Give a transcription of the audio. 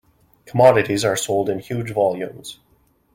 Commodities are sold in huge volumes.